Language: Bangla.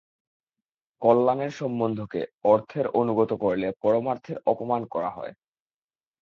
কল্যাণের সম্বন্ধকে অর্থের অনুগত করলে পরমার্থের অপমান করা হয়।